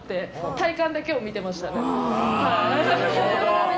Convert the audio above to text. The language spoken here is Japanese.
体幹だけを見てました。